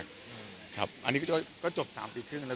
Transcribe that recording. ของขวัญรับปริญญาต้องรอวันรับปริญญา